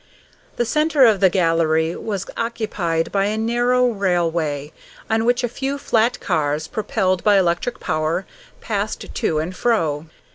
The centre of the gallery was occupied by a narrow railway, on which a few flat cars, propelled by electric power, passed to and fro.